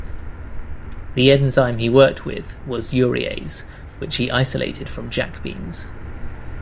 The enzyme he worked with was urease, which he isolated from jack beans.